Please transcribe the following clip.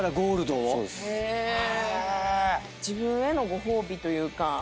自分へのご褒美というか。